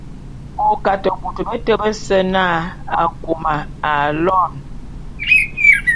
O Kate bôt beté bese na Akôma aloene.